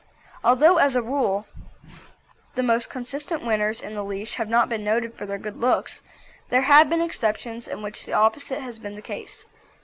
Although, as a rule, the most consistent winners in the leash have not been noted for their good looks, there have been exceptions in which the opposite has been the case.